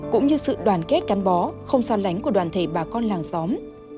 cũng như sự đoàn kết cán bó không xa lánh của đoàn thể bà con làng xóm